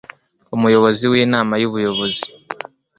Umuyobozi w Inama y Ubuyobozi